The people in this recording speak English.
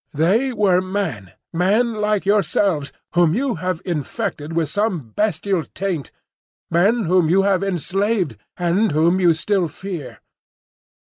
"They were men, men like yourselves, whom you have infected with some bestial taint,—men whom you have enslaved, and whom you still fear.